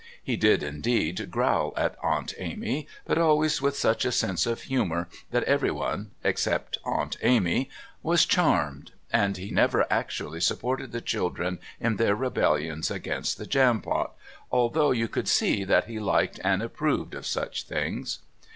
He did indeed growl at Aunt Amy, but always with such a sense of humour that everyone (except Aunt Amy) was charmed, and he never actually supported the children in their rebellions against the Jampot, although you could see that he liked and approved of such things.